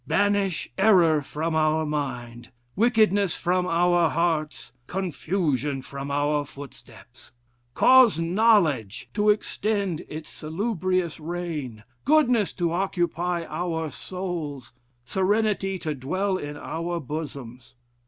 Banish error from our mind, wickedness from our hearts, confusion from our footsteps. Cause knowledge to extend its salubrious reign, goodness to occupy our souls, serenity to dwell in our bosoms....